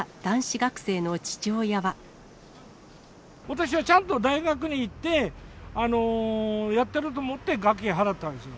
私はちゃんと大学に行って、やってると思って学費払ったわけですよ。